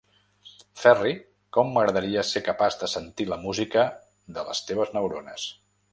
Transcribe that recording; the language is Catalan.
Ferri, com m'agradaria ser capaç de sentir la música de les teves neurones!